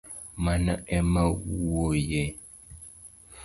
Mano emawuoye